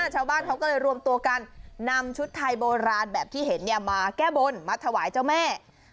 ชาวบ้านเขาก็เลยรวมตัวกันนำชุดไทยโบราณแบบที่เห็นมาแก้บนมาถวายเจ้าแม่